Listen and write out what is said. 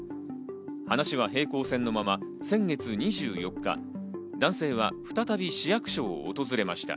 話は平行線のまま先月２４日、男性は再び市役所を訪れました。